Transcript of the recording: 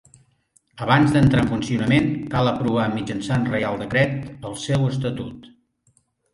Abans d'entrar en funcionament, cal aprovar mitjançant Reial Decret el seu estatut.